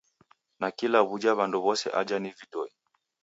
Nakila w'uja w'andu w'ose aja ni vidoi.